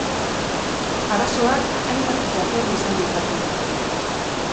Arazoak hainbat jatorri izan ditzake.